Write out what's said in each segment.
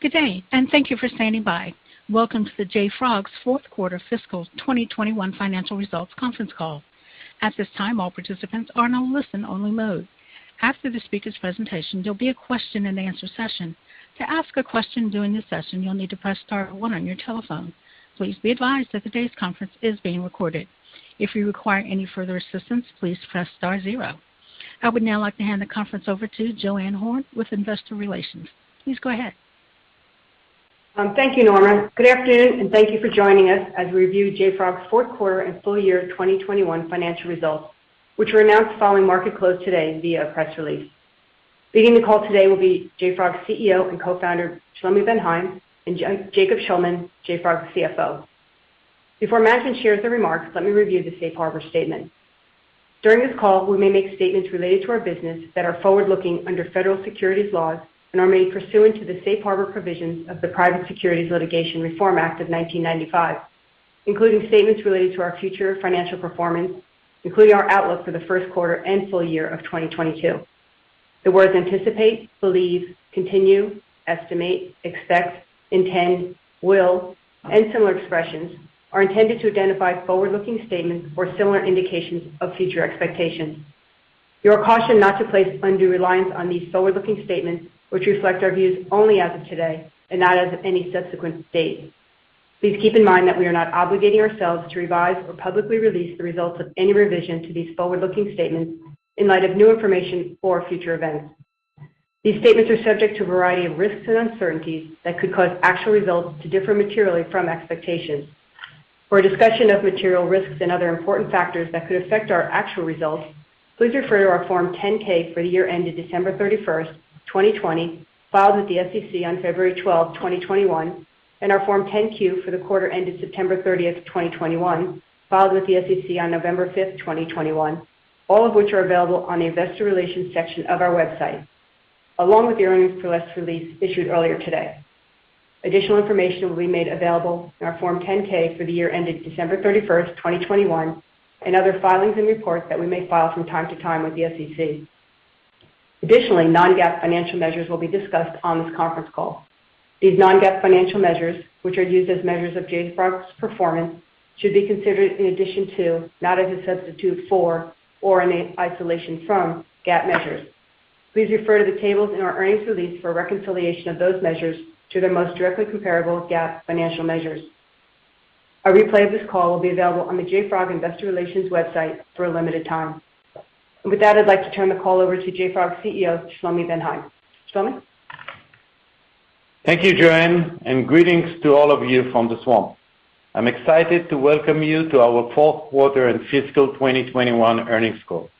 Good day, and thank you for standing by. Welcome to JFrog's fourth quarter fiscal 2021 financial results conference call. At this time, all participants are in a listen-only mode. After the speaker's presentation, there'll be a question and answer session. To ask a question during this session, you'll need to press star one on your telephone. Please be advised that today's conference is being recorded. If you require any further assistance, please press star zero. I would now like to hand the conference over to JoAnn Horne with investor relations. Please go ahead. Thank you, Norma. Good afternoon, and thank you for joining us as we review JFrog's fourth quarter and full year 2021 financial results, which were announced following market close today via a press release. Leading the call today will be JFrog's CEO and Co-Founder, Shlomi Ben Haim, and Jacob Shulman, JFrog's CFO. Before management shares their remarks, let me review the safe harbor statement. During this call, we may make statements related to our business that are forward-looking under Federal Securities laws and are made pursuant to the safe harbor provisions of the Private Securities Litigation Reform Act of 1995, including statements related to our future financial performance, including our outlook for the first quarter and full year of 2022. The words anticipate, believe, continue, estimate, expect, intend, will, and similar expressions are intended to identify forward-looking statements or similar indications of future expectations. You are cautioned not to place undue reliance on these forward-looking statements, which reflect our views only as of today and not as of any subsequent date. Please keep in mind that we are not obligating ourselves to revise or publicly release the results of any revision to these forward-looking statements in light of new information or future events. These statements are subject to a variety of risks and uncertainties that could cause actual results to differ materially from expectations. For a discussion of material risks and other important factors that could affect our actual results, please refer to our Form 10-K for the year ended December 31, 2020, filed with the SEC on February 12, 2021, and our Form 10-Q for the quarter ended September 30, 2021, filed with the SEC on November 5, 2021, all of which are available on the investor relations section of our website, along with the earnings press release issued earlier today. Additional information will be made available in our Form 10-K for the year ended December 31, 2021, and other filings and reports that we may file from time-to-time with the SEC. Additionally, non-GAAP financial measures will be discussed on this conference call. These non-GAAP financial measures, which are used as measures of JFrog's performance, should be considered in addition to, not as a substitute for or in isolation from GAAP measures. Please refer to the tables in our earnings release for a reconciliation of those measures to their most directly comparable GAAP financial measures. A replay of this call will be available on the JFrog investor relations website for a limited time. With that, I'd like to turn the call over to JFrog CEO, Shlomi Ben Haim. Shlomi? Thank you, JoAnn, and greetings to all of you from the Swamp. I'm excited to welcome you to our fourth quarter and fiscal 2021 earnings call.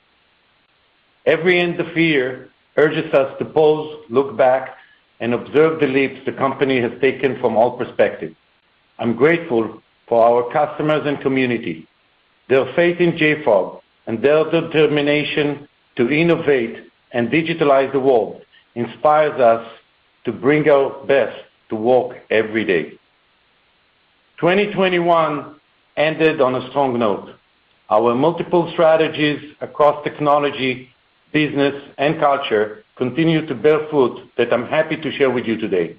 Every end of year urges us to pause, look back, and observe the leaps the company has taken from all perspectives. I'm grateful for our customers and community. Their faith in JFrog and their determination to innovate and digitalize the world inspires us to bring our best to work every day. 2021 ended on a strong note. Our multiple strategies across technology, business, and culture continue to bear fruit that I'm happy to share with you today.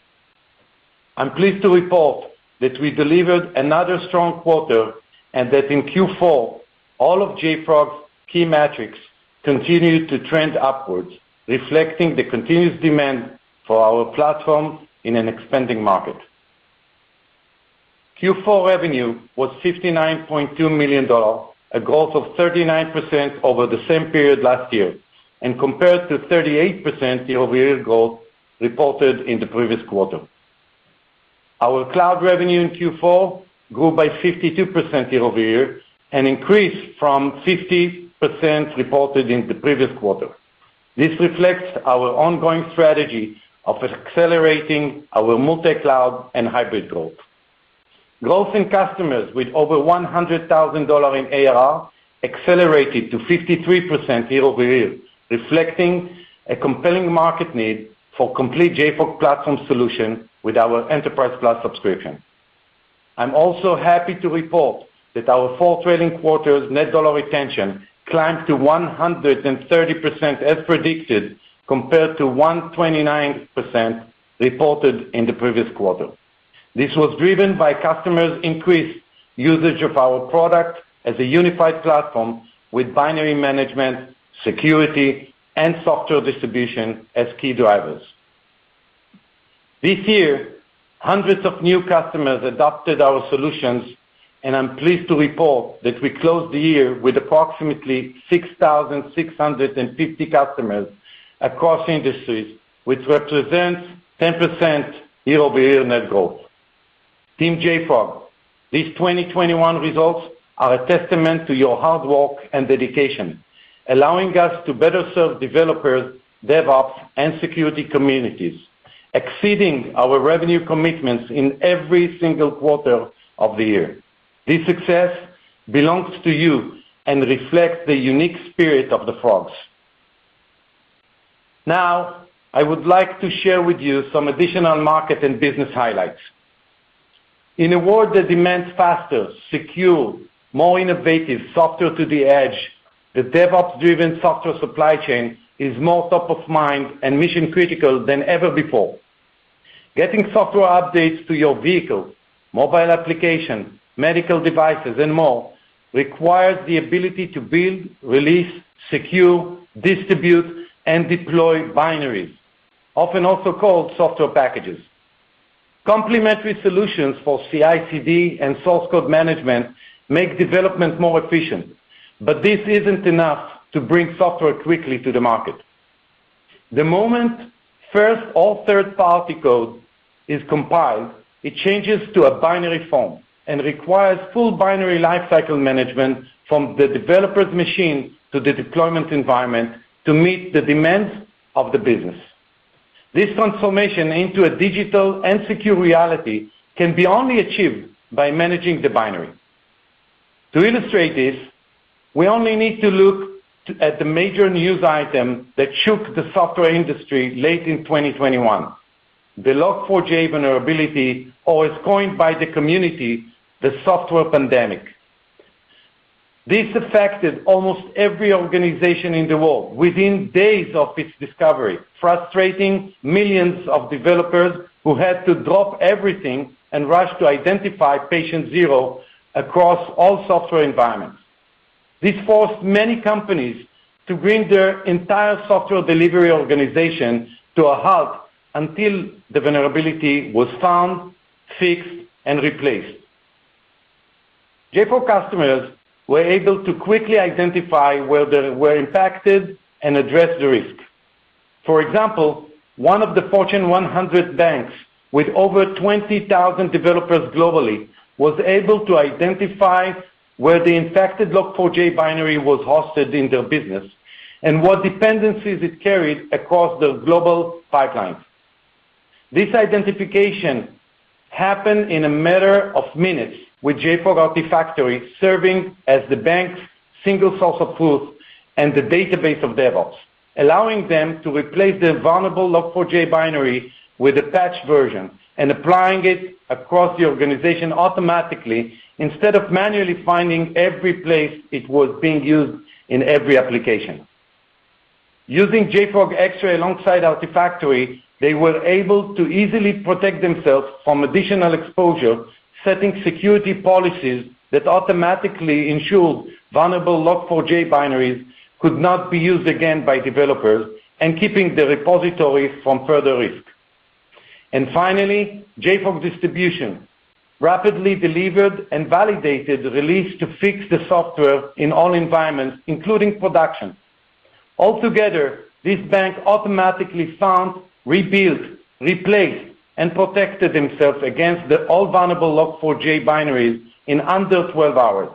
I'm pleased to report that we delivered another strong quarter and that in Q4, all of JFrog's key metrics continued to trend upwards, reflecting the continuous demand for our platform in an expanding market. Q4 revenue was $59.2 million, a growth of 39% over the same period last year, and compared to 38% year-over-year growth reported in the previous quarter. Our cloud revenue in Q4 grew by 52% year-over-year, an increase from 50% reported in the previous quarter. This reflects our ongoing strategy of accelerating our multi-cloud and hybrid growth. Growth in customers with over $100,000 in ARR accelerated to 53% year-over-year, reflecting a compelling market need for complete JFrog platform solution with our enterprise-class subscription. I'm also happy to report that our full trading quarter's net dollar retention climbed to 130% as predicted, compared to 129% reported in the previous quarter. This was driven by customers' increased usage of our product as a unified platform with binary management, security, and software distribution as key drivers. This year, hundreds of new customers adopted our solutions, and I'm pleased to report that we closed the year with approximately 6,650 customers across industries, which represents 10% year-over-year net growth. Team JFrog, these 2021 results are a testament to your hard work and dedication, allowing us to better serve developers, DevOps, and security communities, exceeding our revenue commitments in every single quarter of the year. This success belongs to you and reflects the unique spirit of the Frogs. Now, I would like to share with you some additional market and business highlights. In a world that demands faster, secure, more innovative software to the edge, the DevOps-driven software supply chain is more top of mind and mission-critical than ever before. Getting software updates to your vehicle, mobile application, medical devices, and more requires the ability to build, release, secure, distribute, and deploy binaries, often also called software packages. Complementary solutions for CI/CD and source code management make development more efficient, but this isn't enough to bring software quickly to the market. The moment, first of all, third-party code is compiled, it changes to a binary form and requires full binary lifecycle management from the developer's machine to the deployment environment to meet the demands of the business. This transformation into a digital and secure reality can be only achieved by managing the binary. To illustrate this, we only need to look at the major news item that shook the software industry late in 2021, the Log4j vulnerability, or as coined by the community, the software pandemic. This affected almost every organization in the world within days of its discovery, frustrating millions of developers who had to drop everything and rush to identify patient zero across all software environments. This forced many companies to bring their entire software delivery organization to a halt until the vulnerability was found, fixed, and replaced. JFrog customers were able to quickly identify where they were impacted and address the risk. For example, one of the Fortune 100 banks with over 20,000 developers globally was able to identify where the infected Log4j binary was hosted in their business and what dependencies it carried across their global pipelines. This identification happened in a matter of minutes with JFrog Artifactory serving as the bank's single source of truth and the database of DevOps, allowing them to replace the vulnerable Log4j binary with a patched version and applying it across the organization automatically instead of manually finding every place it was being used in every application. Using JFrog Xray alongside Artifactory, they were able to easily protect themselves from additional exposure, setting security policies that automatically ensured vulnerable Log4j binaries could not be used again by developers and keeping the repository from further risk. Finally, JFrog Distribution rapidly delivered and validated the release to fix the software in all environments, including production. Altogether, this bank automatically found, rebuilt, replaced, and protected themselves against all vulnerable Log4j binaries in under 12 hours.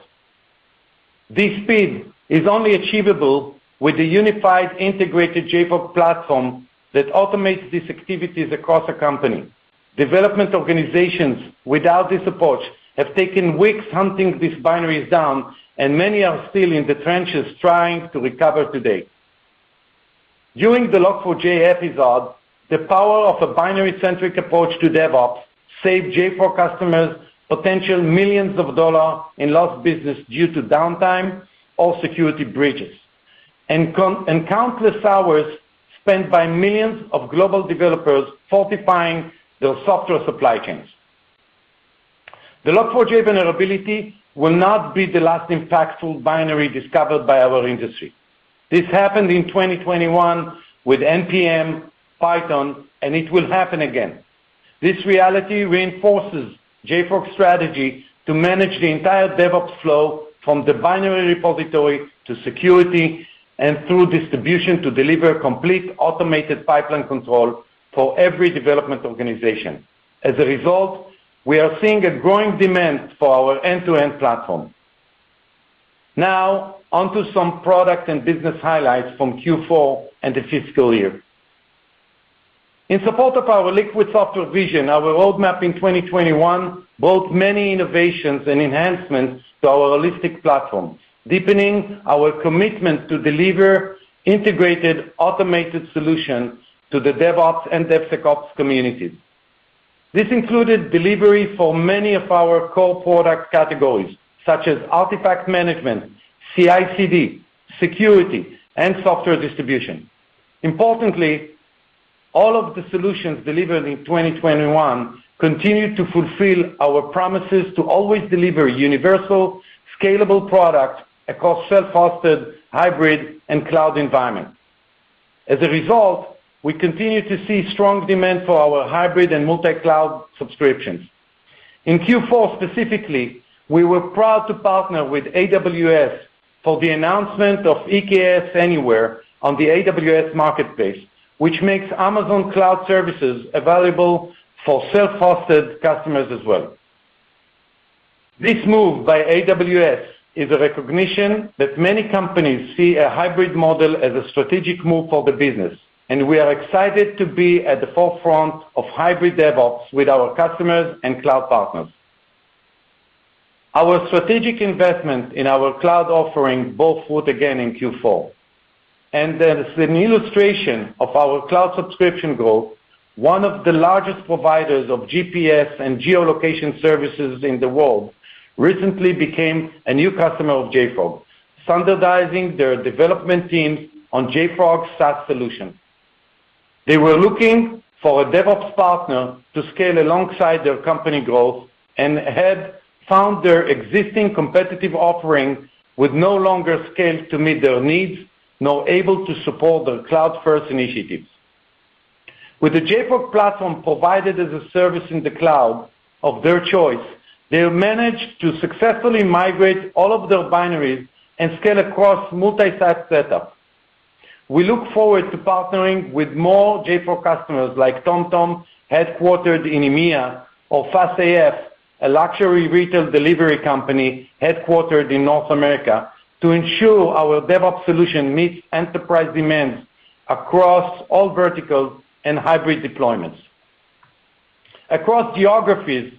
This speed is only achievable with the unified integrated JFrog platform that automates these activities across a company. Development organizations without this approach have taken weeks hunting these binaries down, and many are still in the trenches trying to recover today. During the Log4j episode, the power of a binary-centric approach to DevOps saved JFrog customers potential millions of dollars in lost business due to downtime or security breaches and countless hours spent by millions of global developers fortifying their software supply chains. The Log4j vulnerability will not be the last impactful binary discovered by our industry. This happened in 2021 with NPM, Python, and it will happen again. This reality reinforces JFrog's strategy to manage the entire DevOps flow from the binary repository to security and through distribution to deliver complete automated pipeline control for every development organization. As a result, we are seeing a growing demand for our end-to-end platform. Now on to some product and business highlights from Q4 and the fiscal year. In support of our liquid software vision, our roadmap in 2021 brought many innovations and enhancements to our holistic platform, deepening our commitment to deliver integrated automated solutions to the DevOps and DevSecOps communities. This included delivery for many of our core product categories, such as artifact management, CI/CD, security, and software distribution. Importantly, all of the solutions delivered in 2021 continued to fulfill our promises to always deliver universal, scalable products across self-hosted, hybrid, and cloud environments. As a result, we continue to see strong demand for our hybrid and multi-cloud subscriptions. In Q4 specifically, we were proud to partner with AWS for the announcement of Amazon EKS Anywhere on the AWS Marketplace, which makes AWS available for self-hosted customers as well. This move by AWS is a recognition that many companies see a hybrid model as a strategic move for the business, and we are excited to be at the forefront of hybrid DevOps with our customers and cloud partners. Our strategic investment in our cloud offering bore fruit again in Q4. As an illustration of our cloud subscription growth, one of the largest providers of GPS and geolocation services in the world recently became a new customer of JFrog, standardizing their development teams on JFrog's SaaS solution. They were looking for a DevOps partner to scale alongside their company growth, and had found their existing competitive offering would no longer scale to meet their needs, nor able to support their cloud-first initiatives. With the JFrog platform provided as a service in the cloud of their choice, they managed to successfully migrate all of their binaries and scale across multi-site setup. We look forward to partnering with more JFrog customers like TomTom, headquartered in EMEA, or FastAF, a luxury retail delivery company headquartered in North America, to ensure our DevOps solution meets enterprise demands across all verticals and hybrid deployments. Across geographies,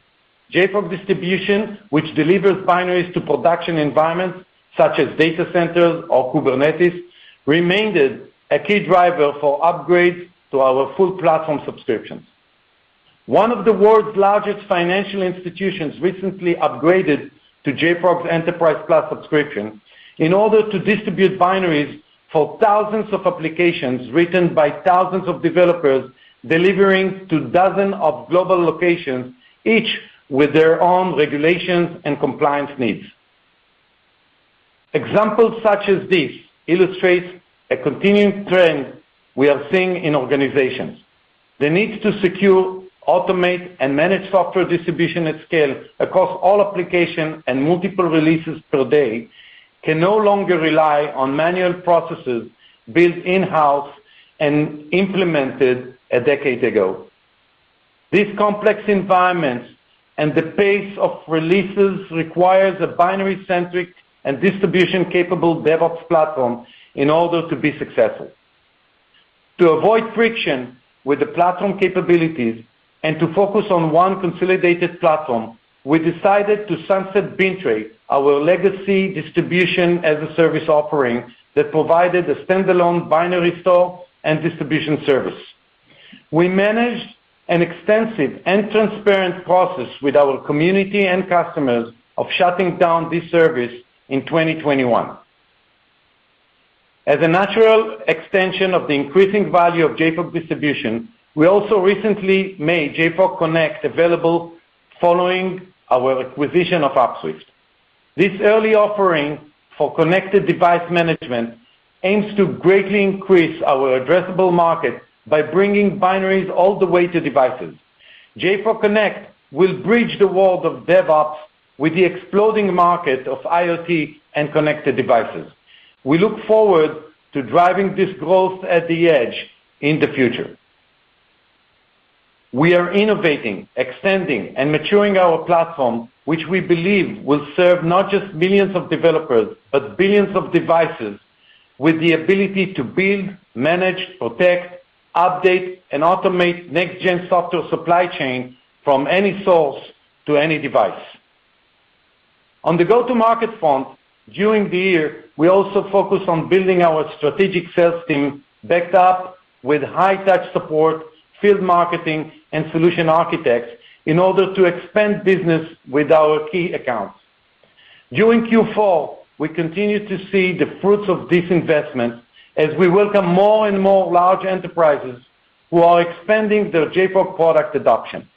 JFrog Distribution, which delivers binaries to production environments such as data centers or Kubernetes, remained a key driver for upgrades to our full platform subscriptions. One of the world's largest financial institutions recently upgraded to JFrog's Enterprise+ subscription in order to distribute binaries for thousands of applications written by thousands of developers, delivering to dozens of global locations, each with their own regulations and compliance needs. Examples such as this illustrates a continuing trend we are seeing in organizations. The need to secure, automate, and manage software distribution at scale across all applications and multiple releases per day can no longer rely on manual processes built in-house and implemented a decade ago. These complex environments and the pace of releases requires a binary-centric and distribution-capable DevOps platform in order to be successful. To avoid friction with the platform capabilities and to focus on one consolidated platform, we decided to sunset Bintray, our legacy distribution-as-a-service offering that provided a standalone binary store and distribution service. We managed an extensive and transparent process with our community and customers of shutting down this service in 2021. As a natural extension of the increasing value of JFrog Distribution, we also recently made JFrog Connect available following our acquisition of Upswift. This early offering for connected device management aims to greatly increase our addressable market by bringing binaries all the way to devices. JFrog Connect will bridge the world of DevOps with the exploding market of IoT and connected devices. We look forward to driving this growth at the edge in the future. We are innovating, extending, and maturing our platform, which we believe will serve not just millions of developers, but billions of devices with the ability to build, manage, protect, update, and automate next-gen software supply chain from any source to any device. On the go-to-market front, during the year, we also focused on building our strategic sales team, backed up with high-touch support, field marketing, and solution architects in order to expand business with our key accounts. During Q4, we continued to see the fruits of this investment as we welcome more and more large enterprises who are expanding their JFrog product adoption.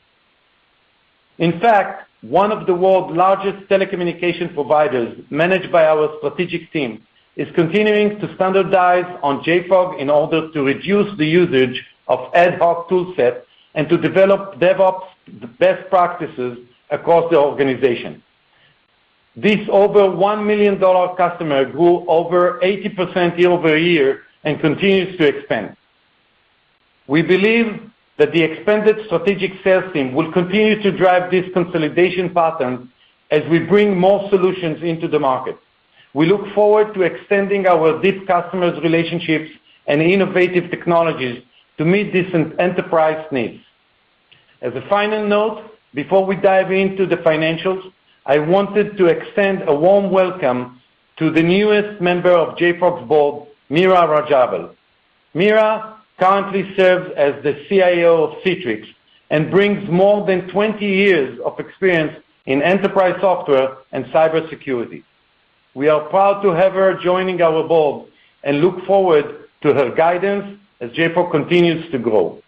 In fact, one of the world's largest telecommunications providers, managed by our strategic team, is continuing to standardize on JFrog in order to reduce the usage of ad hoc tool sets and to develop DevOps best practices across the organization. This over $1 million customer grew over 80% year-over-year and continues to expand. We believe that the expanded strategic sales team will continue to drive this consolidation pattern as we bring more solutions into the market. We look forward to extending our deep customer relationships and innovative technologies to meet these enterprise needs. As a final note, before we dive into the financials, I wanted to extend a warm welcome to the newest member of JFrog's board, Meerah Rajavel. Meerah currently serves as the CIO of Citrix and brings more than 20 years of experience in enterprise software and cybersecurity. We are proud to have her joining our board and look forward to her guidance as JFrog continues to grow.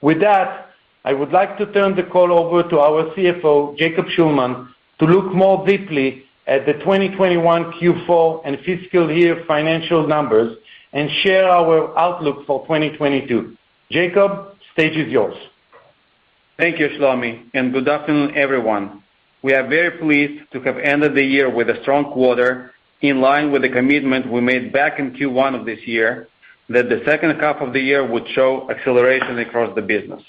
With that, I would like to turn the call over to our CFO, Jacob Shulman, to look more deeply at the 2021 Q4 and fiscal year financial numbers and share our outlook for 2022. Jacob, stage is yours. Thank you, Shlomi, and good afternoon, everyone. We are very pleased to have ended the year with a strong quarter in line with the commitment we made back in Q1 of this year that the second half of the year would show acceleration across the business.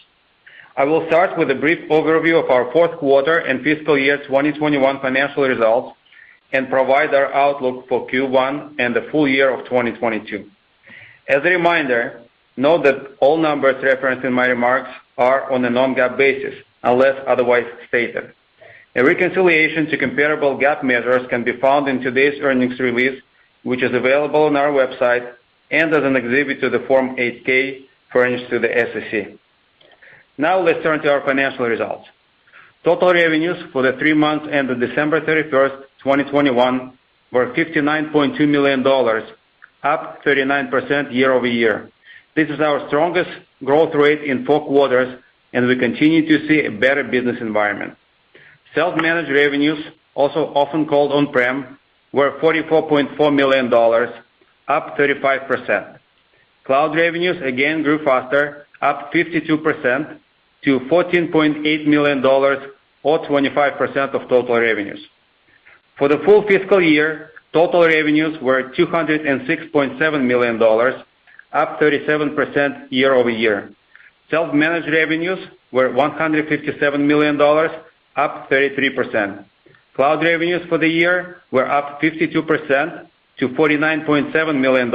I will start with a brief overview of our fourth quarter and fiscal year 2021 financial results and provide our outlook for Q1 and the full year of 2022. As a reminder, note that all numbers referenced in my remarks are on a non-GAAP basis, unless otherwise stated. A reconciliation to comparable GAAP measures can be found in today's earnings release, which is available on our website and as an exhibit to the Form 8-K furnished to the SEC. Now let's turn to our financial results. Total revenues for the three months ended December 31, 2021 were $59.2 million, up 39% year-over-year. This is our strongest growth rate in four quarters, and we continue to see a better business environment. Self-managed revenues, also often called on-prem, were $44.4 million, up 35%. Cloud revenues again grew faster, up 52% to $14.8 million or 25% of total revenues. For the full fiscal year, total revenues were $206.7 million, up 37% year-over-year. Self-managed revenues were $157 million, up 33%. Cloud revenues for the year were up 52%-$49.7 million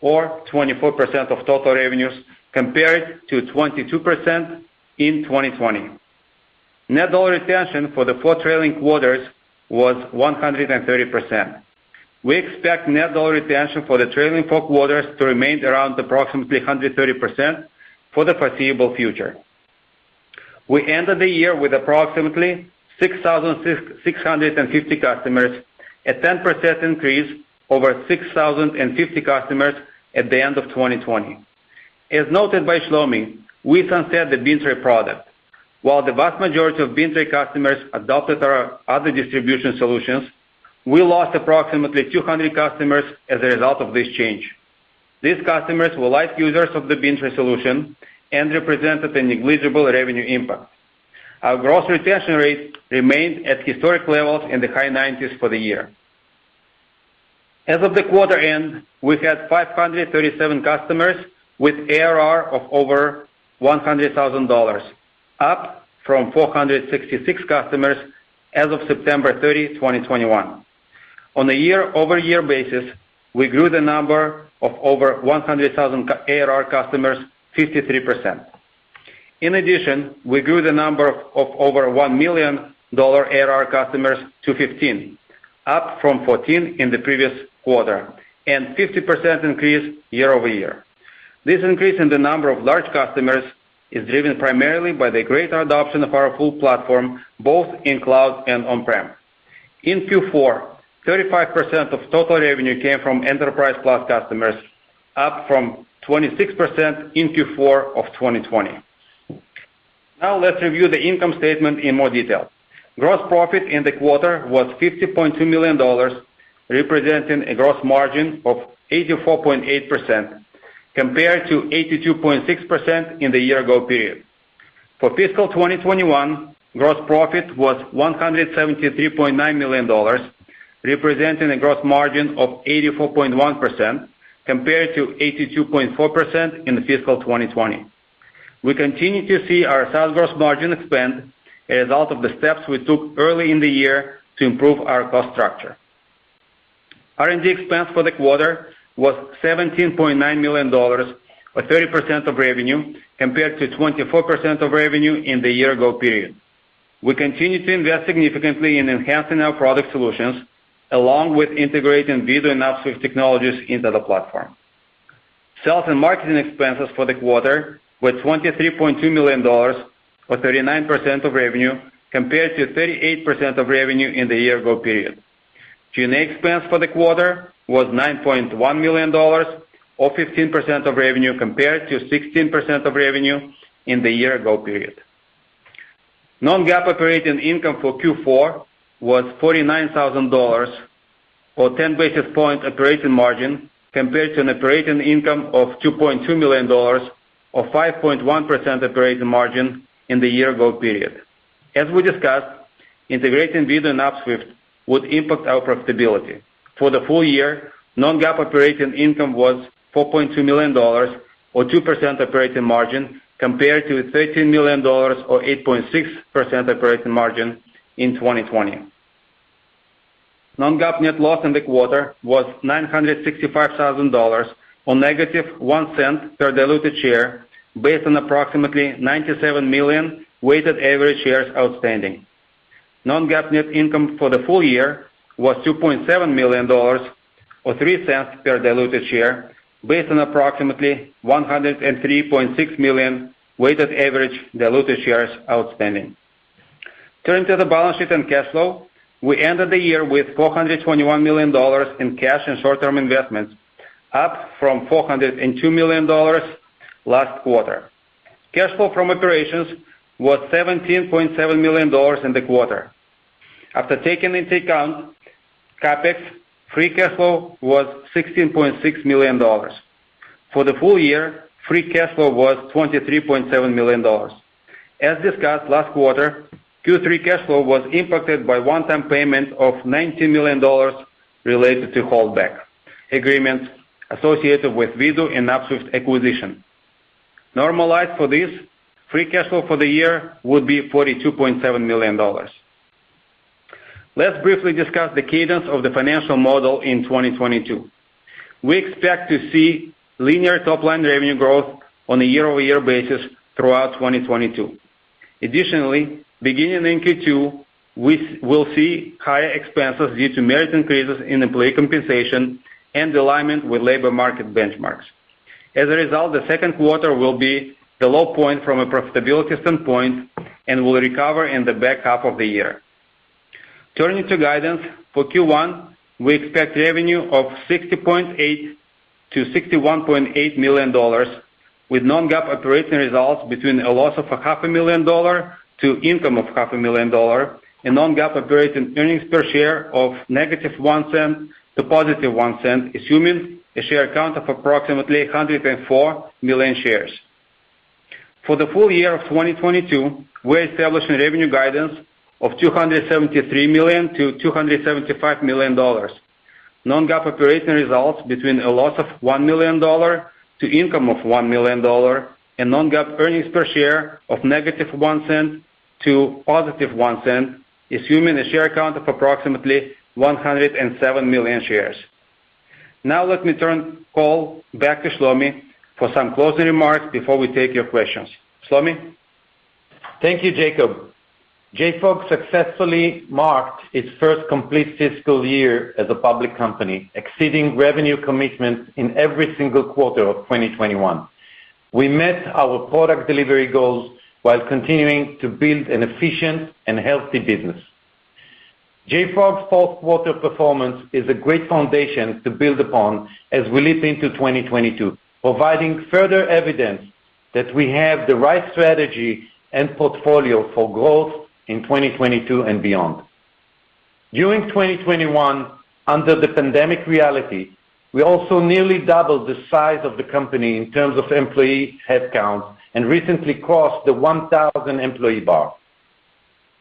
or 24% of total revenues, compared to 22% in 2020. Net dollar retention for the four trailing quarters was 130%. We expect net dollar retention for the trailing four quarters to remain around approximately 130% for the foreseeable future. We ended the year with approximately 6,650 customers, a 10% increase over 6,050 customers at the end of 2020. As noted by Shlomi, we sunset the Bintray product. While the vast majority of Bintray customers adopted our other distribution solutions, we lost approximately 200 customers as a result of this change. These customers were light users of the Bintray solution and represented a negligible revenue impact. Our gross retention rate remained at historic levels in the high 90s for the year. As of the quarter end, we had 537 customers with ARR of over $100,000, up from 466 customers as of September 30, 2021. On a year-over-year basis, we grew the number of over $100,000 ARR customers 53%. In addition, we grew the number of over $1 million ARR customers to 15, up from 14 in the previous quarter and 50% increase year-over-year. This increase in the number of large customers is driven primarily by the greater adoption of our full platform, both in cloud and on-prem. In Q4, 35% of total revenue came from Enterprise+ customers, up from 26% in Q4 of 2020. Now let's review the income statement in more detail. Gross profit in the quarter was $50.2 million, representing a gross margin of 84.8% compared to 82.6% in the year ago period. For fiscal 2021, gross profit was $173.9 million, representing a gross margin of 84.1% compared to 82.4% in fiscal 2020. We continue to see our sales gross margin expand as a result of the steps we took early in the year to improve our cost structure. R&D expense for the quarter was $17.9 million or 30% of revenue, compared to 24% of revenue in the year ago period. We continue to invest significantly in enhancing our product solutions along with integrating VDOO and Upswift technologies into the platform. Sales and marketing expenses for the quarter were $23.2 million or 39% of revenue compared to 38% of revenue in the year ago period. G&A expense for the quarter was $9.1 million or 15% of revenue compared to 16% of revenue in the year-ago period. Non-GAAP operating income for Q4 was $49,000 or 10 basis points operating margin compared to an operating income of $2.2 million or 5.1% operating margin in the year-ago period. As we discussed, integrating VDOO and Upswift would impact our profitability. For the full year, non-GAAP operating income was $4.2 million or 2% operating margin compared to $13 million or 8.6% operating margin in 2020. Non-GAAP net loss in the quarter was $965,000 or -$0.01 per diluted share based on approximately 97 million weighted average shares outstanding. Non-GAAP net income for the full year was $2.7 million or $0.03 per diluted share based on approximately 103.6 million weighted average diluted shares outstanding. Turning to the balance sheet and cash flow, we ended the year with $421 million in cash and short-term investments, up from $402 million last quarter. Cash flow from operations was $17.7 million in the quarter. After taking into account CapEx, free cash flow was $16.6 million. For the full year, free cash flow was $23.7 million. As discussed last quarter, Q3 cash flow was impacted by one-time payment of $19 million related to holdback agreements associated with VDOO and Upswift acquisition. Normalized for this, free cash flow for the year would be $42.7 million. Let's briefly discuss the cadence of the financial model in 2022. We expect to see linear top-line revenue growth on a year-over-year basis throughout 2022. Additionally, beginning in Q2, we will see higher expenses due to merit increases in employee compensation and alignment with labor market benchmarks. As a result, the second quarter will be the low point from a profitability standpoint and will recover in the back half of the year. Turning to guidance, for Q1, we expect revenue of $60.8 million-$61.8 million with non-GAAP operating results between a loss of $500,000 to income of $500,000 and non-GAAP operating earnings per share of -$0.01 to +$0.01, assuming a share count of approximately 104 million shares. For the full year of 2022, we're establishing revenue guidance of $273 million-$275 million. non-GAAP operating results between a loss of $1 million to income of $1 million, and non-GAAP earnings per share of -$0.01-$0.01, assuming a share count of approximately 107 million shares. Now let me turn the call back to Shlomi for some closing remarks before we take your questions. Shlomi? Thank you, Jacob. JFrog successfully marked its first complete fiscal year as a public company, exceeding revenue commitments in every single quarter of 2021. We met our product delivery goals while continuing to build an efficient and healthy business. JFrog's fourth quarter performance is a great foundation to build upon as we leap into 2022, providing further evidence that we have the right strategy and portfolio for growth in 2022 and beyond. During 2021, under the pandemic reality, we also nearly doubled the size of the company in terms of employee headcount and recently crossed the 1,000-employee bar.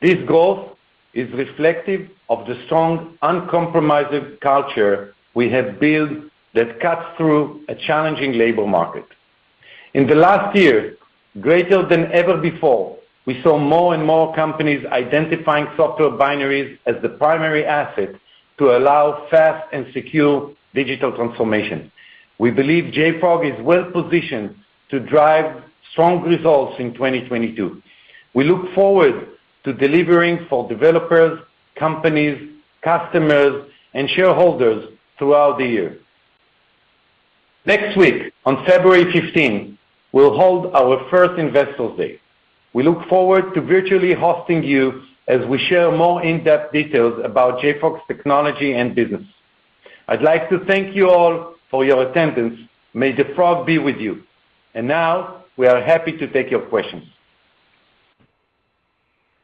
This growth is reflective of the strong, uncompromising culture we have built that cuts through a challenging labor market. In the last year, greater than ever before, we saw more and more companies identifying software binaries as the primary asset to allow fast and secure digital transformation. We believe JFrog is well-positioned to drive strong results in 2022. We look forward to delivering for developers, companies, customers, and shareholders throughout the year. Next week, on February 15, we'll hold our first Investor Day. We look forward to virtually hosting you as we share more in-depth details about JFrog's technology and business. I'd like to thank you all for your attendance. May the frog be with you. Now we are happy to take your questions.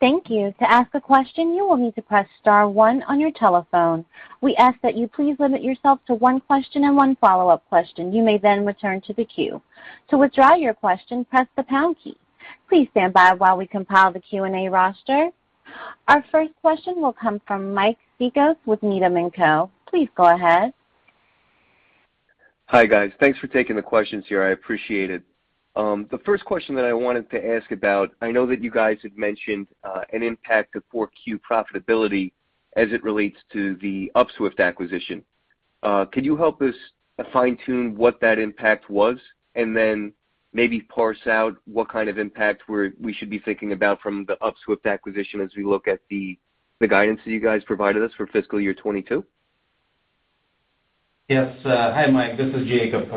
Thank you. To ask a question, you will need to press star one on your telephone. We ask that you please limit yourself to one question and one follow-up question. You may then return to the queue. To withdraw your question, press the pound key. Please stand by while we compile the Q&A roster. Our first question will come from Mike Cikos with Needham & Company. Please go ahead. Hi, guys. Thanks for taking the questions here. I appreciate it. The first question that I wanted to ask about, I know that you guys had mentioned an impact to 4Q profitability as it relates to the Upswift acquisition. Could you help us fine-tune what that impact was and then maybe parse out what kind of impact we should be thinking about from the Upswift acquisition as we look at the guidance that you guys provided us for fiscal year 2022? Yes. Hi, Mike, this is Jacob.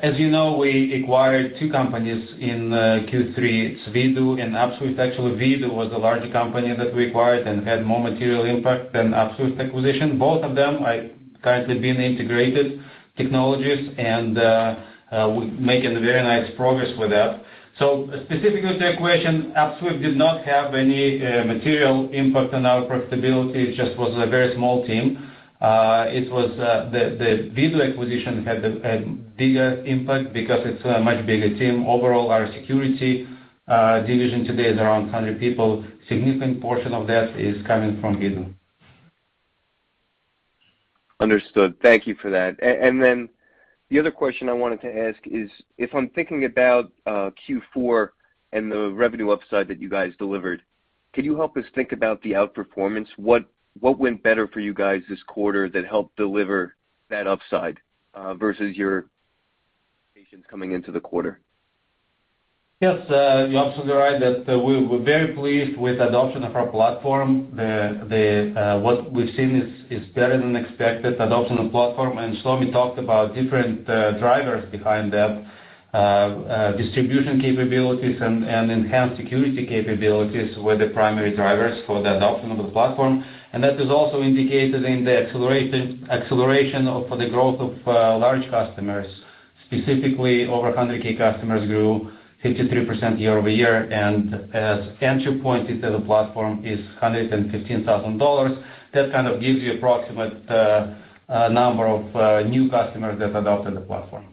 As you know, we acquired two companies in Q3, VDOO and Upswift. Actually, VDOO was a larger company that we acquired and had more material impact than Upswift acquisition. Both of them are currently being integrated technologies, and we're making very nice progress with that. Specifically to your question, Upswift did not have any material impact on our profitability. It just was a very small team. It was the VDOO acquisition had a bigger impact because it's a much bigger team. Overall, our security division today is around 100 people. Significant portion of that is coming from VDOO. Understood. Thank you for that. The other question I wanted to ask is, if I'm thinking about Q4 and the revenue upside that you guys delivered, can you help us think about the outperformance? What went better for you guys this quarter that helped deliver that upside versus your expectations coming into the quarter? Yes, you're absolutely right that we're very pleased with adoption of our platform. What we've seen is better than expected adoption of platform, and Shlomi talked about different drivers behind that. Distribution capabilities and enhanced security capabilities were the primary drivers for the adoption of the platform. That is also indicated in the acceleration of the growth of large customers. Specifically, over 100 key customers grew 53% year-over-year. The entry point into the platform is $115,000, that kind of gives you an approximate number of new customers that adopted the platform.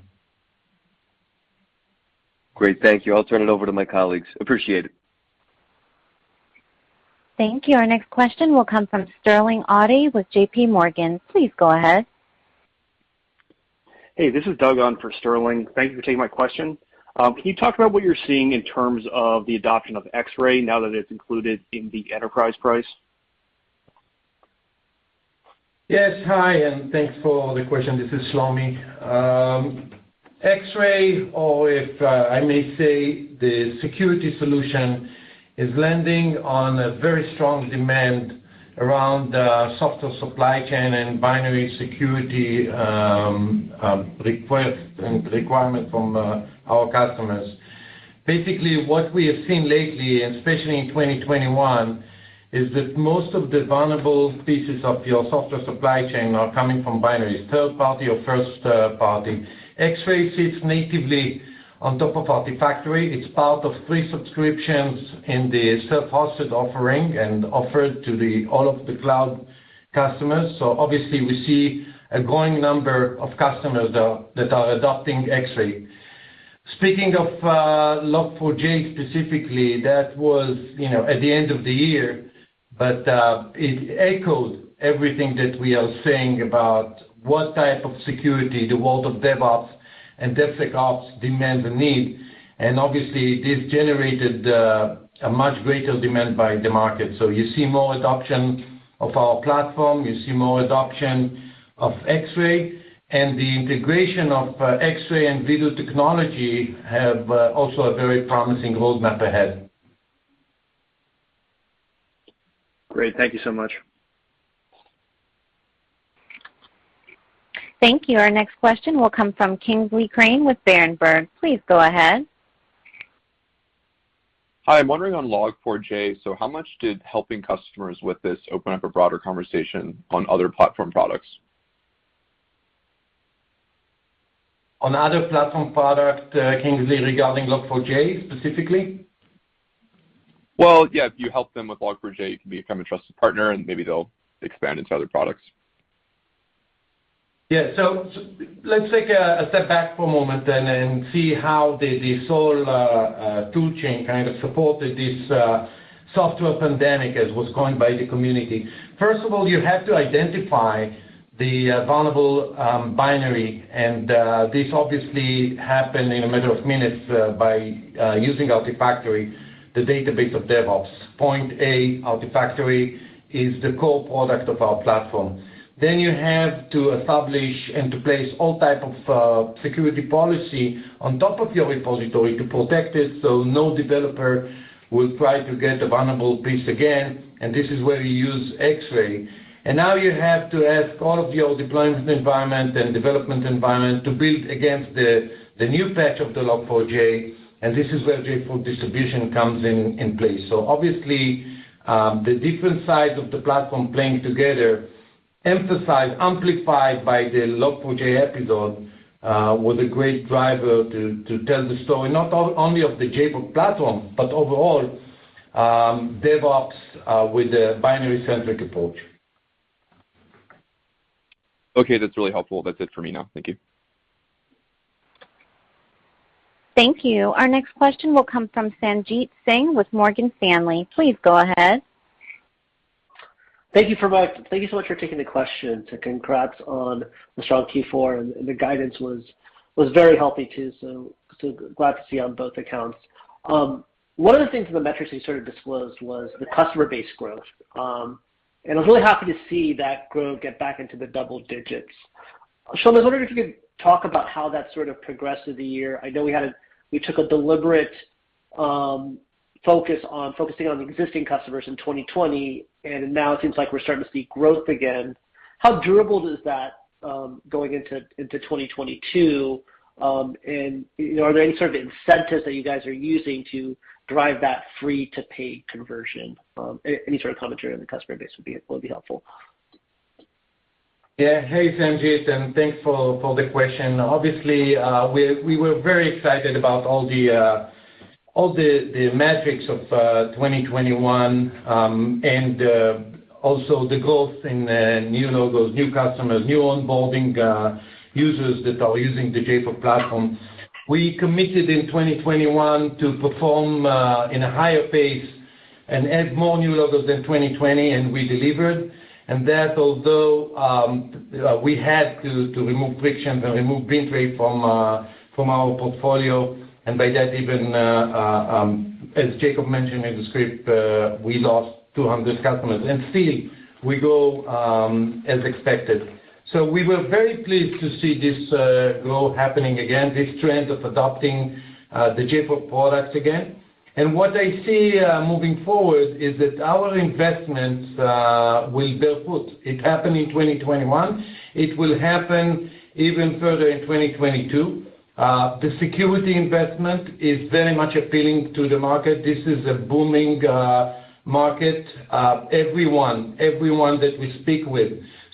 Great. Thank you. I'll turn it over to my colleagues. Appreciate it. Thank you. Our next question will come from Sterling Auty with JPMorgan. Please go ahead. Hey, this is Doug on for Sterling. Thank you for taking my question. Can you talk about what you're seeing in terms of the adoption of Xray now that it's included in the enterprise price? Yes. Hi, and thanks for the question. This is Shlomi. Xray or if I may say the security solution is landing on a very strong demand around software supply chain and binary security, request and requirement from our customers. Basically, what we have seen lately, and especially in 2021, is that most of the vulnerable pieces of your software supply chain are coming from binaries, third party or first party. Xray sits natively on top of Artifactory. It's part of three subscriptions in the self-hosted offering and offered to all of the cloud customers. Obviously we see a growing number of customers that are adopting Xray. Speaking of Log4j specifically, that was, you know, at the end of the year, but it echoed everything that we are saying about what type of security the world of DevOps and DevSecOps demand and need, and obviously this generated a much greater demand by the market. You see more adoption of our platform, you see more adoption of Xray, and the integration of Xray and VDOO technology have also a very promising roadmap ahead. Great. Thank you so much. Thank you. Our next question will come from Kingsley Crane with Berenberg. Please go ahead. Hi. I'm wondering on Log4j. How much did helping customers with this open up a broader conversation on other platform products? On other platform products, Kingsley, regarding Log4j specifically? Well, yeah, if you help them with Log4j, you can become a trusted partner, and maybe they'll expand into other products. Let's take a step back for a moment then and see how this whole tool chain kind of supported this software pandemic as was coined by the community. First of all, you have to identify the vulnerable binary, and this obviously happened in a matter of minutes by using Artifactory, the database of DevOps. Point A, Artifactory is the core product of our platform. Then you have to establish and to place all types of security policy on top of your repository to protect it so no developer will try to get a vulnerable piece again, and this is where you use Xray. Now you have to ask all of your deployment environment and development environment to build against the new patch of the Log4j, and this is where JFrog Distribution comes in place. Obviously, the different sides of the platform playing together emphasize, amplified by the Log4j episode, was a great driver to tell the story, not only of the JFrog platform, but overall, DevOps, with a binaries-centric approach. Okay. That's really helpful. That's it for me now. Thank you. Thank you. Our next question will come from Sanjit Singh with Morgan Stanley. Please go ahead. Thank you so much for taking the question. Congrats on the strong Q4, and the guidance was very healthy too, so glad to see on both accounts. One of the things in the metrics you sort of disclosed was the customer base growth. I was really happy to see that growth get back into the double digits. Shlomi, I was wondering if you could talk about how that sort of progressed through the year. I know we took a deliberate focus on focusing on existing customers in 2020, and now it seems like we're starting to see growth again. How durable is that going into 2022? You know, are there any sort of incentives that you guys are using to drive that free to paid conversion? Any sort of commentary on the customer base would be helpful. Yeah. Hey, Sanjit, and thanks for the question. Obviously, we were very excited about all the metrics of 2021, and also the growth in new logos, new customers, new onboarding, users that are using the JFrog platform. We committed in 2021 to perform in a higher pace and add more new logos than 2020, and we delivered. That although we had to remove friction and remove Bintray from our portfolio, and by that, even, as Jacob mentioned in the script, we lost 200 customers, and still we grow as expected. We were very pleased to see this growth happening again, this trend of adopting the JFrog products again. What I see moving forward is that our investments will bear fruit. It happened in 2021. It will happen even further in 2022. The security investment is very much appealing to the market. This is a booming market. Everyone that we speak with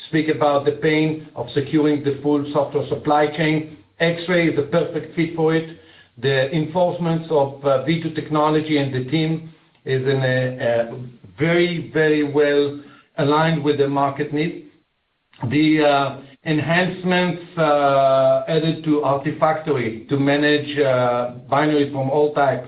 speak about the pain of securing the full software supply chain. Xray is a perfect fit for it. The enhancements of VDOO technology and the team is very well aligned with the market need. The enhancements added to Artifactory to manage binaries from all types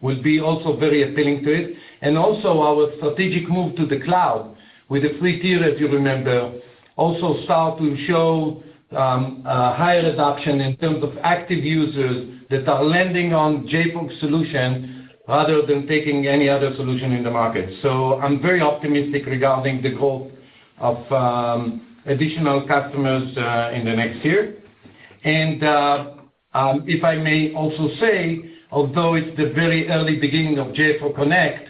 will be also very appealing to it. Also our strategic move to the cloud with the free tier, as you remember, also start to show higher adoption in terms of active users that are landing on JFrog solution rather than taking any other solution in the market. I'm very optimistic regarding the growth of additional customers in the next year. If I may also say, although it's the very early beginning of JFrog Connect,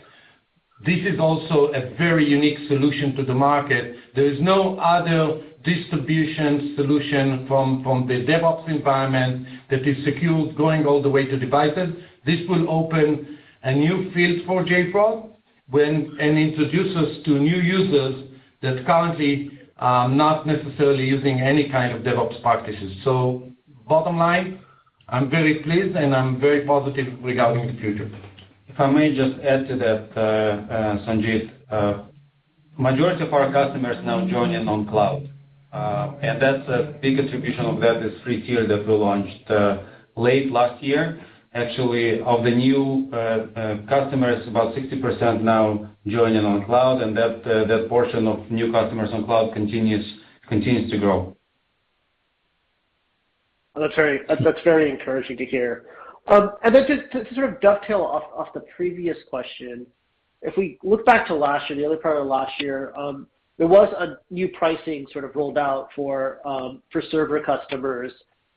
this is also a very unique solution to the market. There is no other distribution solution from the DevOps environment that is secure going all the way to devices. This will open a new field for JFrog and introduce us to new users that currently are not necessarily using any kind of DevOps practices. Bottom line, I'm very pleased, and I'm very positive regarding the future. If I may just add to that, Sanjit. Majority of our customers now joining on cloud. That's a big attribute of that is free tier that we launched late last year. Actually, of the new customers, about 60% now joining on cloud, and that portion of new customers on cloud continues to grow. That's very encouraging to hear. Just to sort of dovetail off the previous question. If we look back to last year, the other part of last year, there was a new pricing sort of rolled out for server customers.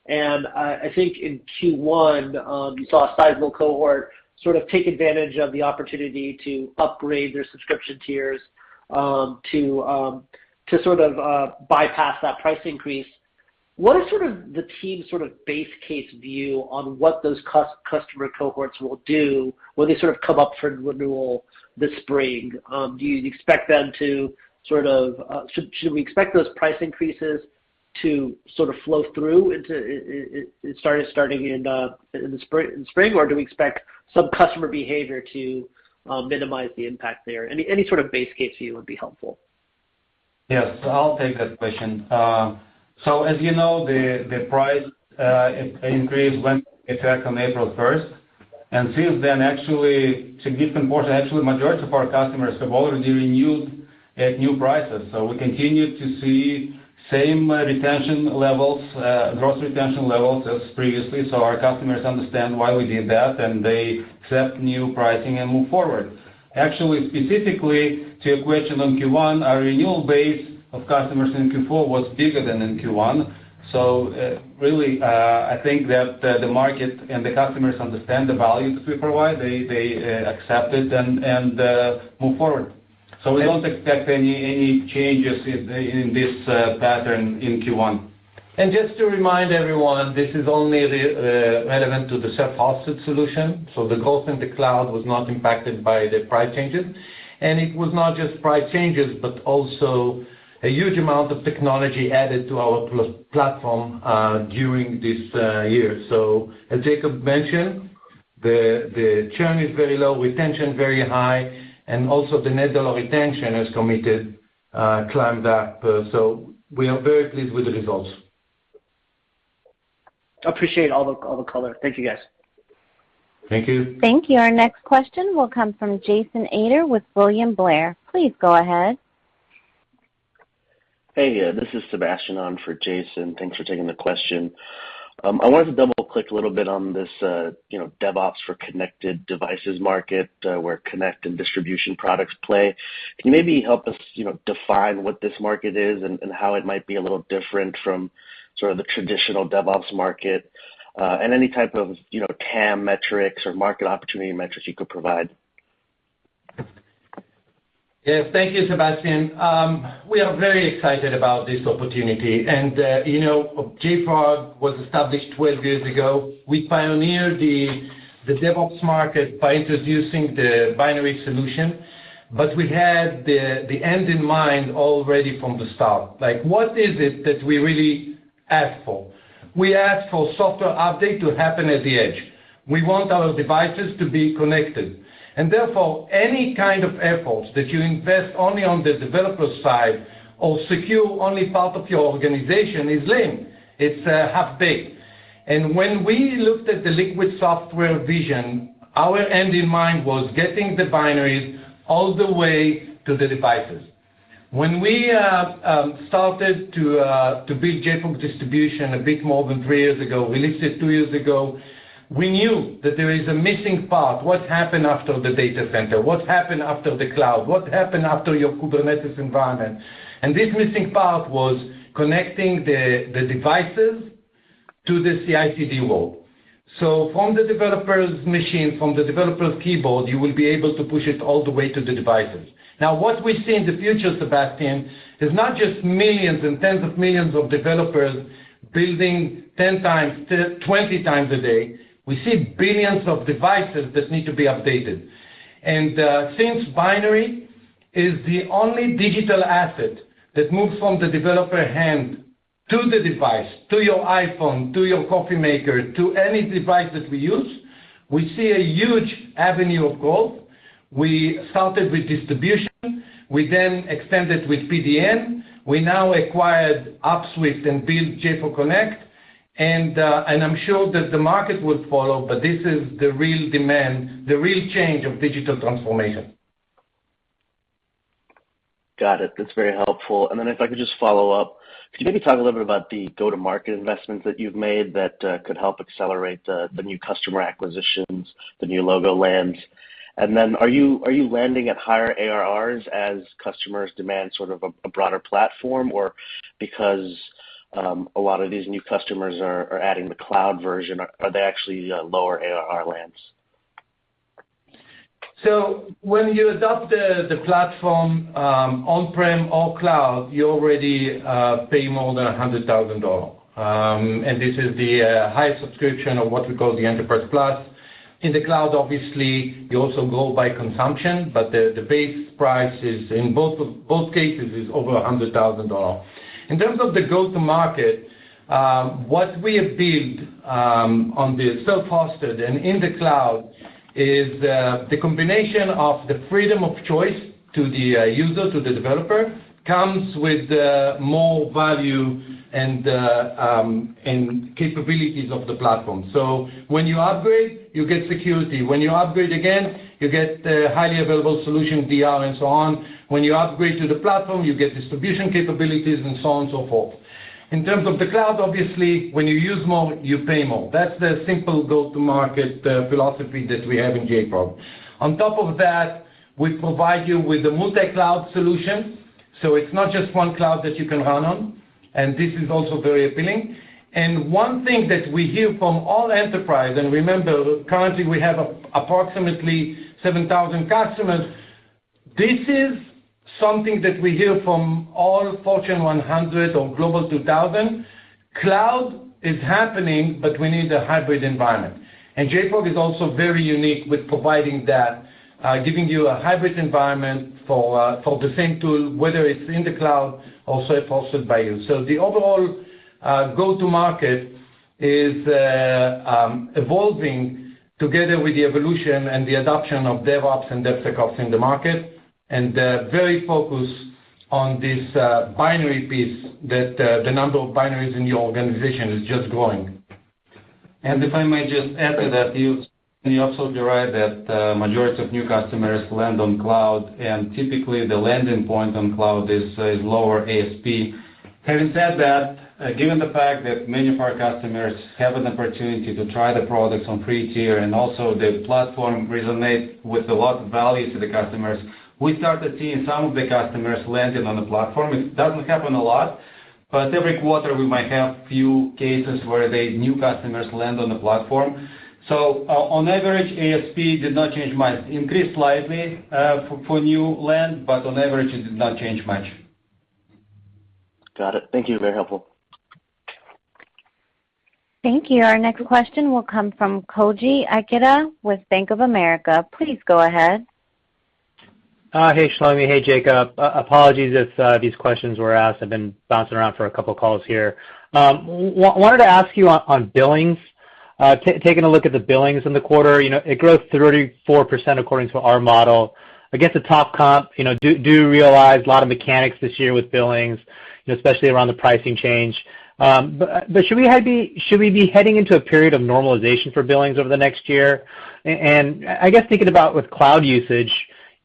I think in Q1, you saw a sizable cohort sort of take advantage of the opportunity to upgrade their subscription tiers to sort of bypass that price increase. What is sort of the team's sort of base case view on what those customer cohorts will do when they sort of come up for renewal this spring? Do you expect them to sort of... Should we expect those price increases to sort of flow through into it starting in spring or do we expect some customer behavior to minimize the impact there? Any sort of base case view would be helpful. Yes, I'll take that question. So as you know, the price increase went into effect on April first. Since then, actually, significant portion, actually majority of our customers have already renewed at new prices. We continue to see same retention levels, gross retention levels as previously. Our customers understand why we did that, and they accept new pricing and move forward. Actually, specifically to your question on Q1, our renewal base of customers in Q4 was bigger than in Q1. Really, I think that the market and the customers understand the value that we provide. They accept it and move forward. We don't expect any changes in this pattern in Q1. Just to remind everyone, this is only relevant to the self-hosted solution. The growth in the cloud was not impacted by the price changes. It was not just price changes, but also a huge amount of technology added to our platform during this year. As Jacob mentioned, the churn is very low, retention very high, and also the net dollar retention has continued to climb up. We are very pleased with the results. Appreciate all the color. Thank you, guys. Thank you. Thank you. Our next question will come from Jason Ader with William Blair. Please go ahead. Hey, this is Sebastian on for Jason. Thanks for taking the question. I wanted to double-click a little bit on this, you know, DevOps for connected devices market, where Connect and Distribution products play. Can you maybe help us, you know, define what this market is and how it might be a little different from sort of the traditional DevOps market, and any type of, you know, TAM metrics or market opportunity metrics you could provide? Yes. Thank you, Sebastian. We are very excited about this opportunity. You know, JFrog was established 12 years ago. We pioneered the DevOps market by introducing the binary solution, but we had the end in mind already from the start. Like, what is it that we really ask for? We ask for software update to happen at the edge. We want our devices to be connected. Therefore, any kind of efforts that you invest only on the developer side or secure only part of your organization is lame. It's half-baked. When we looked at the liquid software vision, our end in mind was getting the binaries all the way to the devices. When we started to build JFrog Distribution a bit more than three years ago, released it two years ago, we knew that there is a missing part. What happened after the data center? What happened after the cloud? What happened after your Kubernetes environment? This missing part was connecting the devices to the CICD world. From the developer's machine, from the developer's keyboard, you will be able to push it all the way to the devices. Now, what we see in the future, Sebastian, is not just millions and tens of millions of developers building 10x, 20x a day. We see billions of devices that need to be updated. Since binary is the only digital asset that moves from the developer hand to the device, to your iPhone, to your coffee maker, to any device that we use. We see a huge avenue of growth. We started with distribution, we then extended with PDN. We now acquired Upswift and built JFrog Connect, and I'm sure that the market would follow, but this is the real demand, the real change of digital transformation. Got it. That's very helpful. If I could just follow up, could you maybe talk a little bit about the go-to-market investments that you've made that could help accelerate the new customer acquisitions, the new logo lands? Are you landing at higher ARRs as customers demand sort of a broader platform? Or because a lot of these new customers are adding the cloud version, are they actually lower ARR lands? When you adopt the platform on-prem or cloud, you already pay more than $100,000. This is the high subscription or what we call the Enterprise+. In the cloud, obviously, you also go by consumption, but the base price in both cases is over $100,000. In terms of the go-to-market, what we have built on the self-hosted and in the cloud is the combination of the freedom of choice to the user, to the developer, comes with more value and capabilities of the platform. When you upgrade, you get security. When you upgrade again, you get highly available solution DR and so on. When you upgrade to the platform, you get distribution capabilities and so on and so forth. In terms of the cloud, obviously, when you use more, you pay more. That's the simple go-to-market philosophy that we have in JFrog. On top of that, we provide you with a multi-cloud solution, so it's not just one cloud that you can run on, and this is also very appealing. One thing that we hear from all enterprises, and remember, currently we have approximately 7,000 customers, this is something that we hear from all Fortune 100 or Forbes Global 2000, cloud is happening, but we need a hybrid environment. JFrog is also very unique with providing that, giving you a hybrid environment for the same tool, whether it's in the cloud or self-hosted by you. The overall go-to-market is evolving together with the evolution and the adoption of DevOps and DevSecOps in the market, and very focused on this binary piece that the number of binaries in your organization is just growing. If I may just add to that, you're also right that majority of new customers land on cloud, and typically the landing point on cloud is lower ASP. Having said that, given the fact that many of our customers have an opportunity to try the products on free tier, and also the platform resonates with a lot of value to the customers, we started seeing some of the customers landing on the platform. It doesn't happen a lot, but every quarter we might have few cases where the new customers land on the platform. On average, ASP did not change much. Increased slightly for new land, but on average, it did not change much. Got it. Thank you. Very helpful. Thank you. Our next question will come from Koji Ikeda with Bank of America. Please go ahead. Hey, Shlomi. Hey, Jacob. Apologies if these questions were asked. I've been bouncing around for a couple of calls here. Wanted to ask you on billings. Taking a look at the billings in the quarter, you know, it grew 34% according to our model. I guess the top comp, you know, do realize a lot of mechanics this year with billings, you know, especially around the pricing change. But should we be heading into a period of normalization for billings over the next year? I guess thinking about with cloud usage,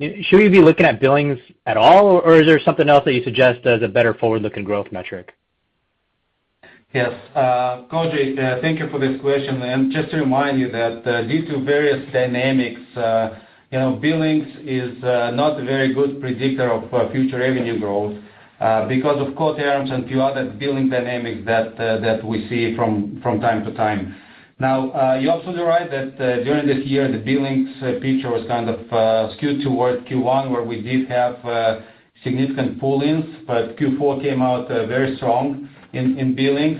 should we be looking at billings at all, or is there something else that you suggest as a better forward-looking growth metric? Yes. Koji, thank you for this question. Just to remind you that due to various dynamics, you know, billings is not a very good predictor of future revenue growth because of co-terms and few other billing dynamics that we see from time-to-time. Now, you're also right that during this year, the billings picture was kind of skewed towards Q1, where we did have significant pull-ins, but Q4 came out very strong in billings.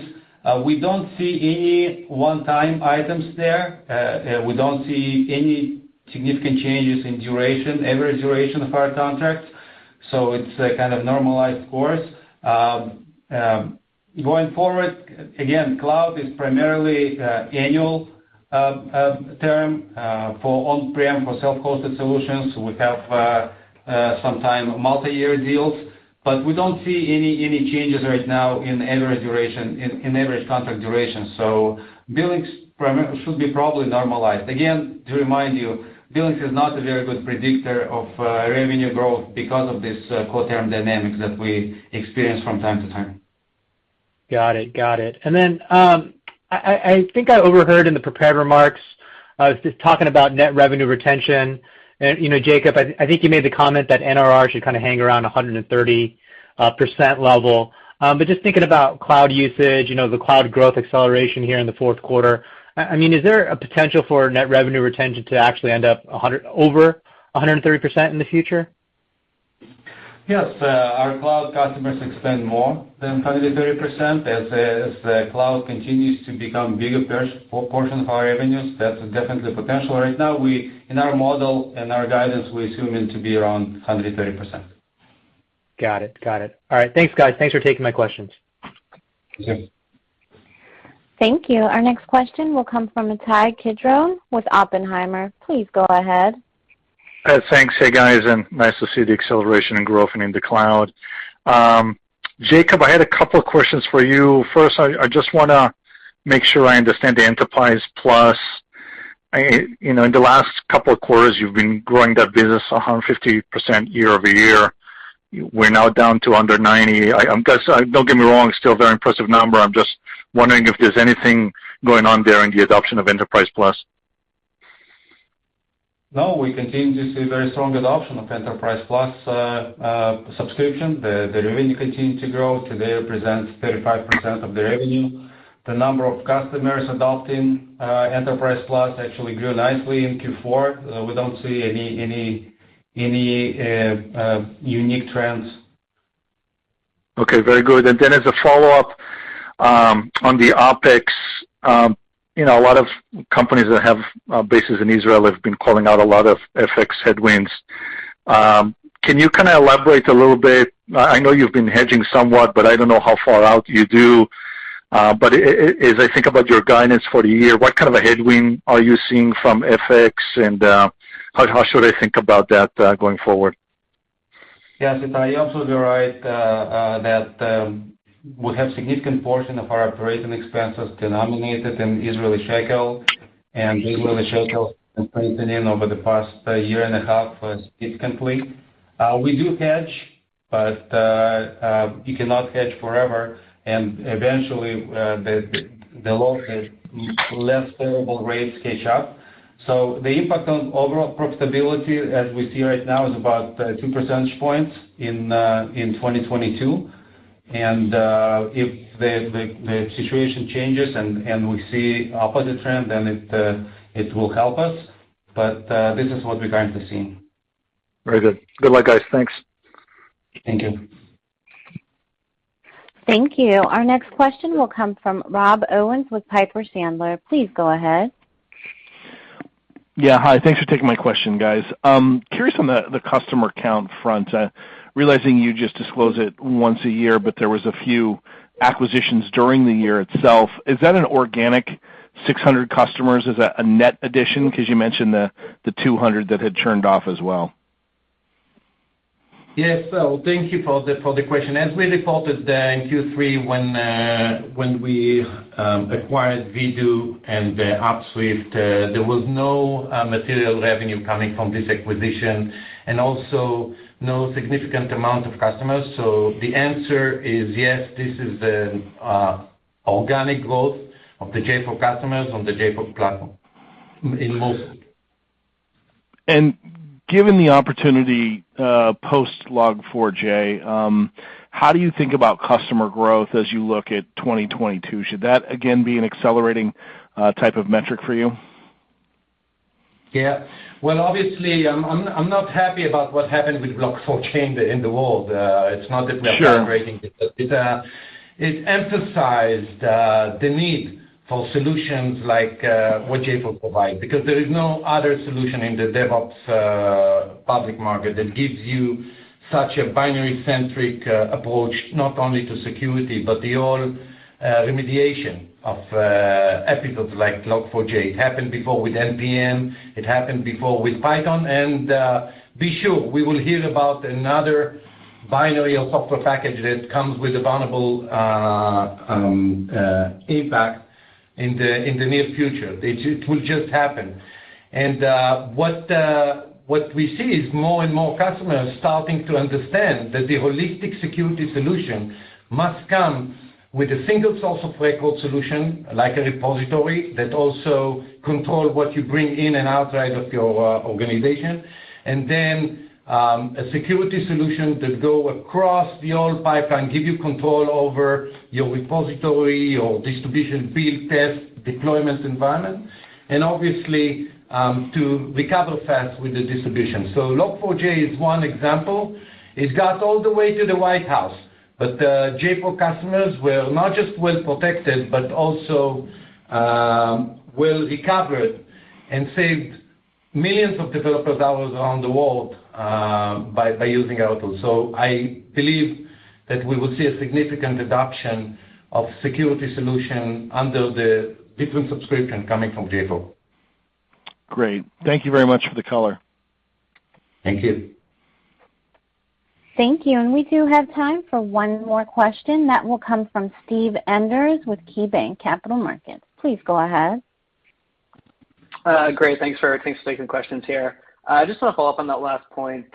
We don't see any one-time items there. We don't see any significant changes in duration, average duration of our contracts, so it's a kind of normalized course. Going forward, again, cloud is primarily annual term. For on-prem, for self-hosted solutions, we have sometimes multiyear deals. We don't see any changes right now in average duration, in average contract duration. So billings should be probably normalized. Again, to remind you, billings is not a very good predictor of revenue growth because of this co-term dynamics that we experience from time-to-time. Got it. I think I overheard in the prepared remarks just talking about net revenue retention. You know, Jacob, I think you made the comment that NRR should kinda hang around 130% level. Just thinking about cloud usage, you know, the cloud growth acceleration here in the fourth quarter, I mean, is there a potential for net revenue retention to actually end up over 130% in the future? Yes. Our cloud customers spend more than 130%. As the cloud continues to become bigger portion of our revenues, that's definitely potential. Right now, in our model and our guidance, we assume it to be around 130%. Got it. All right. Thanks, guys. Thanks for taking my questions. Yeah. Thank you. Our next question will come from Ittai Kidron with Oppenheimer. Please go ahead. Thanks. Hey, guys, nice to see the acceleration and growth in the cloud. Jacob Shulman, I had a couple of questions for you. First, I just wanna make sure I understand the Enterprise+. You know, in the last couple of quarters, you've been growing that business 150% year-over-year. We're now down to under 90%. Don't get me wrong, still very impressive number. I'm just wondering if there's anything going on there in the adoption of Enterprise+. No. We continue to see very strong adoption of Enterprise+ subscription. The revenue continue to grow. Today, it represents 35% of the revenue. The number of customers adopting Enterprise+ actually grew nicely in Q4. We don't see any unique trends. Okay, very good. As a follow-up, on the OpEx, you know, a lot of companies that have bases in Israel have been calling out a lot of FX headwinds. Can you kinda elaborate a little bit? I know you've been hedging somewhat, but I don't know how far out you do. As I think about your guidance for the year, what kind of a headwind are you seeing from FX and how should I think about that going forward? Yes, Ittai. You're absolutely right, that we have significant portion of our operating expenses denominated in Israeli shekel, and Israeli shekel has strengthened over the past 1.5 year, significantly. We do hedge, but you cannot hedge forever, and eventually, the less favorable rates catch up. The impact on overall profitability as we see right now is about 2 percentage points in 2022. If the situation changes and we see opposite trend, then it will help us. This is what we're currently seeing. Very good. Good luck, guys. Thanks. Thank you. Thank you. Our next question will come from Rob Owens with Piper Sandler. Please go ahead. Yeah. Hi. Thanks for taking my question, guys. Curious on the customer count front. Realizing you just disclose it once a year, but there was a few acquisitions during the year itself. Is that an organic 600 customers? Is that a net addition? 'Cause you mentioned the 200 that had churned off as well. Yes. Thank you for the question. As we reported in Q3 when we acquired VDOO and Upswift, there was no material revenue coming from this acquisition and also no significant amount of customers. The answer is yes, this is organic growth of the JFrog customers on the JFrog platform in most. Given the opportunity post Log4j, how do you think about customer growth as you look at 2022? Should that again be an accelerating type of metric for you? Yeah. Well, obviously, I'm not happy about what happened with Log4j in the world. It's not that we're- Sure. Celebrating it, but it emphasized the need for solutions like what JFrog provide because there is no other solution in the DevOps public market that gives you such a binary centric approach, not only to security, but the whole remediation of episodes like Log4j. It happened before with NPM. It happened before with Python. Be sure we will hear about another binary or software package that comes with a vulnerable impact in the near future. It will just happen. What we see is more and more customers starting to understand that the holistic security solution must come with a single source of record solution, like a repository that also control what you bring in and outside of your organization, and then a security solution that go across the whole pipeline, give you control over your repository, your distribution, build, test, deployment environment, and obviously to recover fast with the distribution. Log4j is one example. It got all the way to the White House, but JFrog customers were not just well protected, but also well recovered and saved millions of developer dollars around the world by using our tools. I believe that we will see a significant adoption of security solution under the different subscription coming from JFrog. Great. Thank you very much for the color. Thank you. Thank you. We do have time for one more question. That will come from Steve Enders with KeyBanc Capital Markets. Please go ahead. Great. Thanks for everything. Thanks for taking questions here. I just wanna follow up on that last point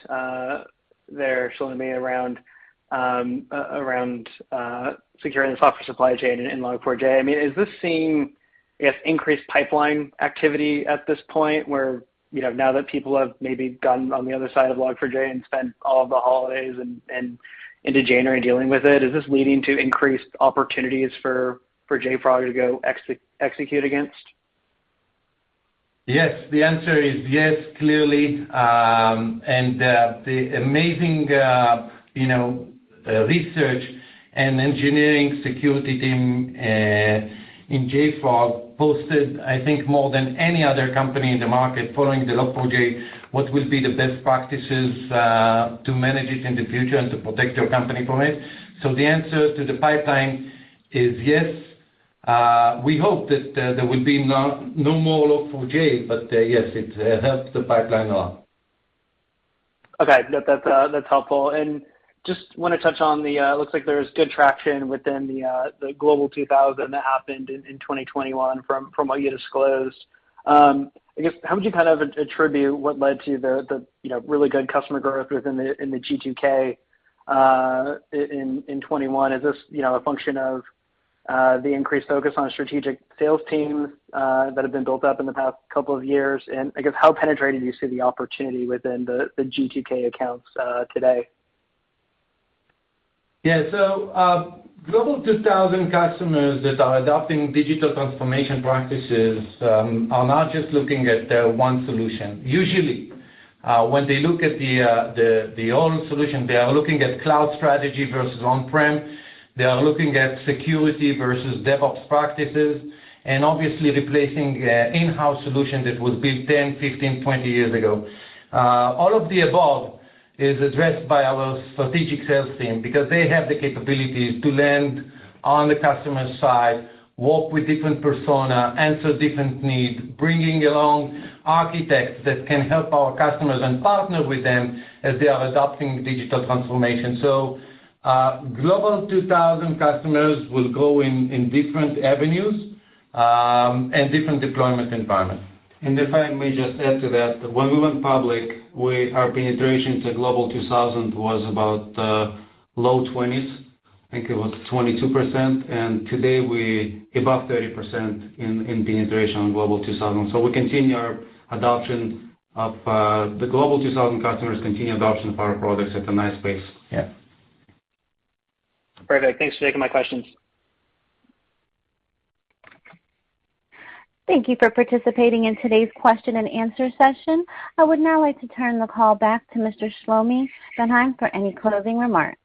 there, Shlomi, around securing the software supply chain in Log4j. I mean, is this seeing, I guess, increased pipeline activity at this point where, you know, now that people have maybe gotten on the other side of Log4j and spent all of the holidays and into January dealing with it, is this leading to increased opportunities for JFrog to go execute against? Yes. The answer is yes, clearly. The amazing, you know, research and engineering security team in JFrog posted, I think, more than any other company in the market following the Log4j what will be the best practices to manage it in the future and to protect your company from it. The answer to the pipeline is yes. We hope that there will be no more Log4j, but yes, it helps the pipeline a lot. Okay. That's helpful. Just wanna touch on the... It looks like there's good traction within the Forbes Global 2000 that happened in 2021 from what you disclosed. I guess, how would you kind of attribute what led to the you know really good customer growth within the G2K in 2021? Is this you know a function of the increased focus on strategic sales teams that have been built up in the past couple of years? I guess, how penetrating do you see the opportunity within the G2K accounts today? Yeah. Forbes Global 2000 customers that are adopting digital transformation practices are not just looking at one solution. Usually, when they look at the old solution, they are looking at cloud strategy versus on-prem. They are looking at security versus DevOps practices and obviously replacing in-house solution that was built 10, 15, 20 years ago. All of the above is addressed by our strategic sales team because they have the capabilities to land on the customer side, work with different persona, answer different need, bringing along architects that can help our customers and partner with them as they are adopting digital transformation. Forbes Global 2000 customers will go in different avenues and different deployment environments. If I may just add to that. When we went public, our penetration to Forbes Global 2000 was about low 20s. I think it was 22%. Today, we're above 30% in penetration on Forbes Global 2000. The Forbes Global 2000 customers continue adoption of our products at a nice pace. Yeah. Perfect. Thanks for taking my questions. Thank you for participating in today's question and answer session. I would now like to turn the call back to Mr. Shlomi Ben Haim for any closing remarks.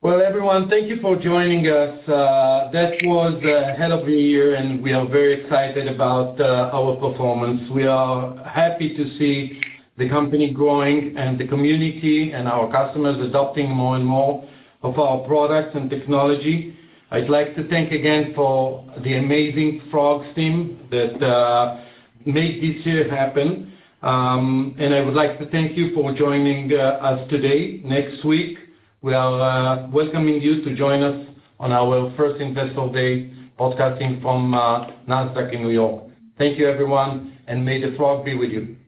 Well, everyone, thank you for joining us. That was a hell of a year, and we are very excited about our performance. We are happy to see the company growing and the community and our customers adopting more and more of our products and technology. I'd like to thank again for the amazing Frogs team that make this year happen. And I would like to thank you for joining us today. Next week, we are welcoming you to join us on our first investor day broadcasting from Nasdaq in New York. Thank you, everyone, and may the Frog be with you.